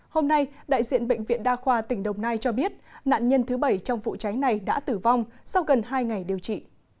hôm nay đại diện bệnh viện đa khoa tỉnh đồng nai cho biết nạn nhân thứ bảy trong vụ cháy này đã tử vong sau gần hai ngày điều trị